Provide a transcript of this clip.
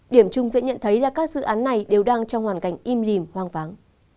điểm chung dễ nhận thấy là các dự án này đều đang trong hoàn cảnh im lìm hoang vắng